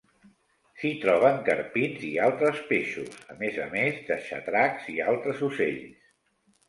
S'hi troben carpins i altres peixos, a més a més de xatracs i altres ocells.